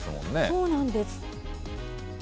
そうなんです。